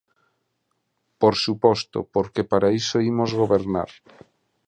Por suposto, porque para iso imos gobernar.